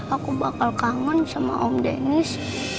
aku bakal kangen sama om deniz